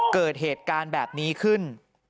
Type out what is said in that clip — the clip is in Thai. เกิดเหตุการณ์แบบนี้ขึ้น